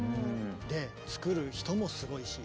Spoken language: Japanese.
で作る人もすごいし。